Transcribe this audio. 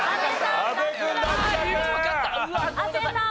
亜生さん。